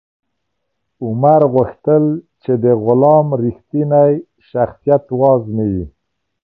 عمر غوښتل چې د غلام رښتینی شخصیت و ازمایي.